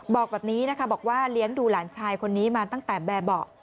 บอกแบบนี้นะคะบอกว่าเลี้ยงดูหลานชายคนนี้มาตั้งแต่แบบเบาะ